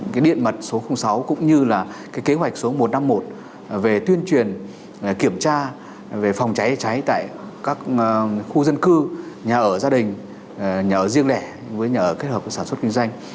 cái điện mặt số sáu cũng như là cái kế hoạch số một trăm năm mươi một về tuyên truyền kiểm tra về phòng cháy cháy tại các khu dân cư nhà ở gia đình nhà ở riêng lẻ với nhà ở kết hợp với sản xuất kinh doanh